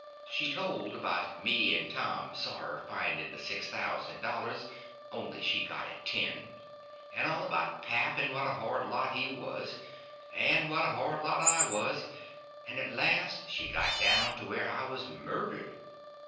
She told about me and Tom Sawyer finding the six thousand dollars (only she got it ten) and all about pap and what a hard lot he was, and what a hard lot I was, and at last she got down to where I was murdered.